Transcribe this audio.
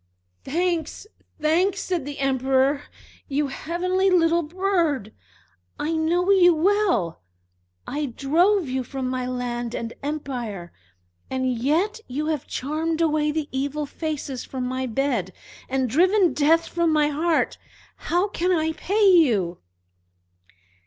"Thanks! thanks!" said the Emperor. "You heavenly little bird! I know you well. I drove you from my land and empire, and yet you have charmed away the evil faces from my bed, and driven Death from my heart! How can I pay you?"